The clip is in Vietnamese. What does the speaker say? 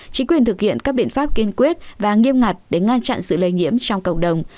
các biện pháp kiên quyết và nghiêm ngặt để ngăn chặn sự lây nhiễm trong cộng đồng